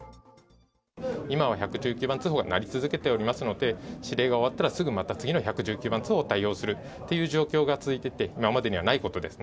今は１１９番通報が鳴り続けておりますので、指令が終わったら、すぐまた次の１１９番通報を対応するという状況が続いていて、今までにはないことですね。